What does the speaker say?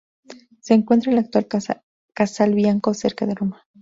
Se encuentra en la actual Casal Bianco, cerca de Roma.